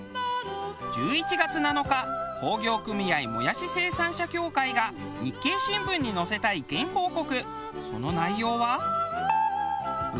１１月７日工業組合もやし生産者協会が『日経新聞』に載せた意見広告。